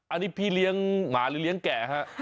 อันนี้พี่เลี้ยงหมาหรือเลี้ยงแก่ฮะ